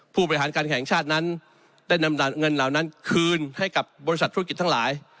ผู้บริหารการแข่งชาตินั้นได้นำเงินเหล่านั้นคืนให้กับบริษัทธุรกิจทั้งหลาย